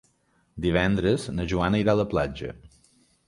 Divendres na Joana irà a la platja.